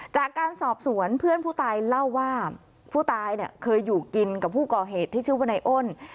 จากการสอบสวนเพื่อนผู้ตายเล่าว่าผู้ตายเนี่ยเคยอยู่กินกับผู้ก่อเหตุที่ชื่อว่านายอ้น